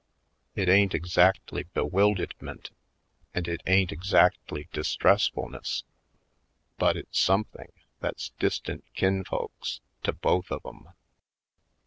It ain't exactly bewildedment and it ain't exactly distressfulness; but it's some thing that's distant kinsfolks to both of 'em.